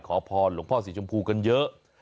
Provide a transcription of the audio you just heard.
ขอพรหลวงพ่อสีชมพูกันเยอะ